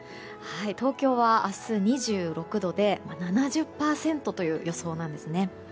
東京は明日２６度で７０％という予想なんですね。